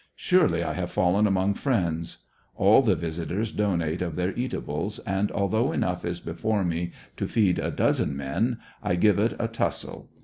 Surely I have fallen among friends. All the visitors donate of their eatables, and although enough is before me to feed a dozen men, I give it a tus sle.